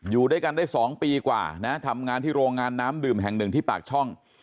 อยู่ด้วยกันได้๒ปีกว่านะทำงานที่โรงงานน้ำดื่มแห่งหนึ่งที่ปากช่อง